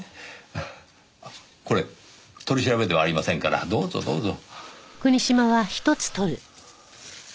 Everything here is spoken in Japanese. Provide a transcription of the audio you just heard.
これ取り調べではありませんからどうぞどうぞ。